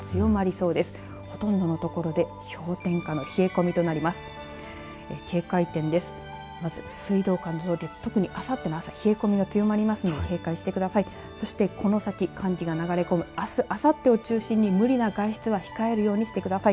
まず水道管の凍結あさっての朝冷え込みが強まりますので警戒してください。